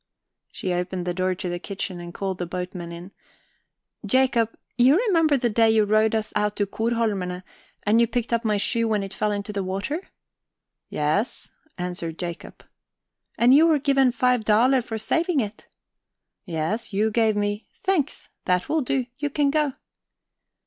She opened the door to the kitchen, and called the boatmen in. "Jakob, you remember the day you rowed us out to Korholmerne, and you picked up my shoe when it fell into the water?" "Yes," answered Jakob. "And you were given five daler for saving it?" "Yes, you gave me..." "Thanks, that will do, you can go."